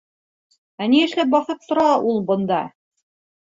— Ә ни эшләп баҫып тора ул бында?